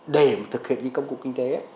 để thực hiện công cụ kinh tế